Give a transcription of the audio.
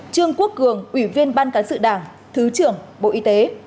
trương quốc cường ủy viên ban cán sự đảng thứ trưởng bộ y tế